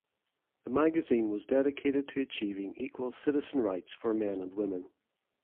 The magazine was dedicated to achieving equal citizen rights for men and women.